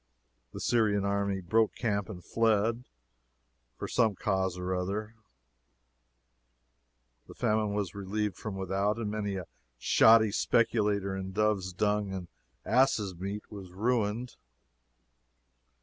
The Syrian army broke camp and fled, for some cause or other, the famine was relieved from without, and many a shoddy speculator in dove's dung and ass's meat was ruined.